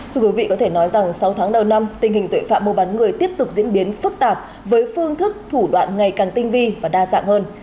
thưa quý vị có thể nói rằng sáu tháng đầu năm tình hình tội phạm mua bán người tiếp tục diễn biến phức tạp với phương thức thủ đoạn ngày càng tinh vi và đa dạng hơn